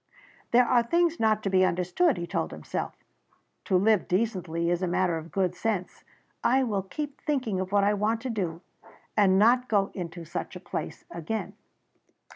"There are things not to be understood," he told himself. "To live decently is a matter of good sense. I will keep thinking of what I want to do and not go into such a place again."